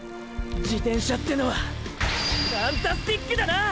自転車ってのはファンタスティックだな！！